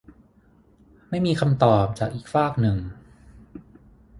ไม่มีคำตอบจากอีกฟากหนึ่ง